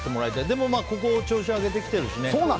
でもここ調子上げてきてるしね。